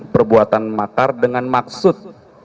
perbuatan makar dengan maksud